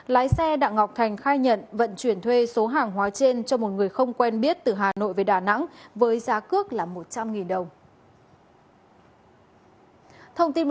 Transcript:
lái xe đặng ngọc thành khai nhận vận chuyển thuê số hàng hóa trên cho một người không quen biết từ hà nội về đà nẵng với giá cước là một trăm linh đồng